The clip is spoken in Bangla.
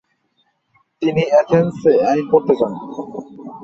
তিনি অ্যাথেন্স এ আইন পড়তে যান।